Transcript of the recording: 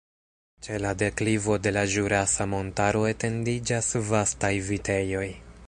Ĉe la deklivo de la Ĵurasa Montaro etendiĝas vastaj vitejoj.